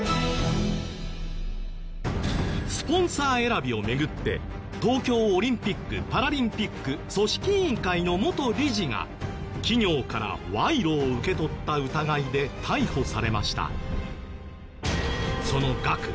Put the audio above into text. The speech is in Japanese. スポンサー選びを巡って東京オリンピック・パラリンピック組織委員会の元理事が企業から賄賂を受け取った疑いで逮捕されました。